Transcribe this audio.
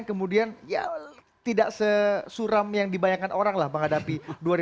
kemudian tidak sesuram yang dibayangkan orang lah menghadapi dua ribu dua puluh